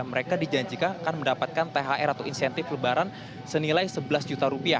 mereka dijanjikan akan mendapatkan thr atau insentif lebaran senilai rp sebelas